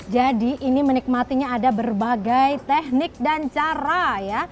jadi ini menikmatinya ada berbagai teknik dan cara ya